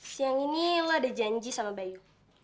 siang ini lo ada janji sama bayu